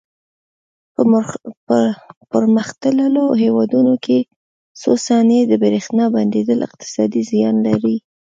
په پرمختللو هېوادونو کې څو ثانیې د برېښنا بندېدل اقتصادي زیان لري.